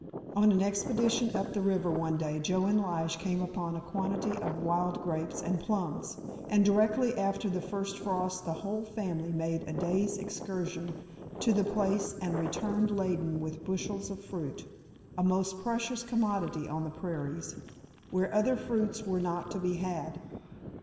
On an expedition up the river one day Joe and Lige came upon a quantity of wild grapes and plums, and directly after the first frost the whole family made a day's excursion to the place and returned laden with bushels of fruit, a most precious commodity on the prairies, where other fruits were not to be had.